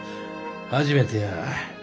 初めてや。